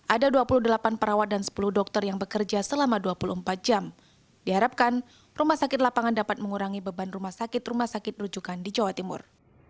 ada dua puluh delapan perawat dan sepuluh dokter yang bekerja selama dua puluh empat jam diharapkan rumah sakit lapangan dapat mengurangi beban rumah sakit rumah sakit rujukan di jawa timur